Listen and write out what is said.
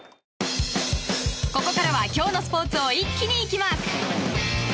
ここから今日のスポーツを一気に行きます。